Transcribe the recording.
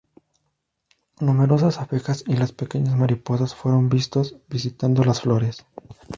Numerosas abejas y las pequeñas mariposas fueron vistos visitando las flores.